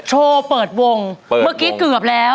โชว์เปิดวงเมื่อกี้เกือบแล้ว